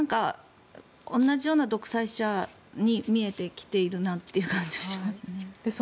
同じような独裁者に見えてきているなという感じがしますね。